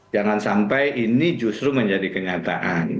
jangan sampai ini justru menjadi kenyataan